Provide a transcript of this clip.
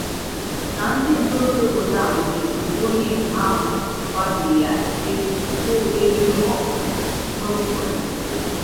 na ndị ntorobịa obodo ahụ jidezịrị onye nke ahụ gbabiri ya bụ eriri ọkọ kpọmkwem